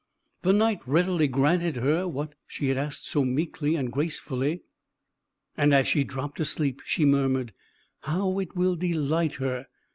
The Knight readily granted her what she had asked so meekly and gracefully; and as she dropped asleep she murmured, "How it will delight her!